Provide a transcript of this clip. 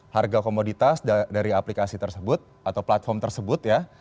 harga komoditas dari aplikasi tersebut atau platform tersebut ya